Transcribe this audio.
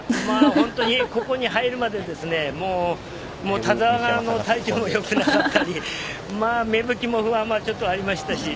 本当にここに入るまで田澤が体調も良くなかったり芽吹も不安がありましたし。